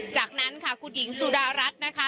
จากนั้นค่ะคุณหญิงสุดารัฐนะคะ